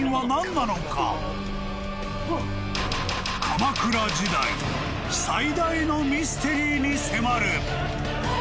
［鎌倉時代最大のミステリーに迫る］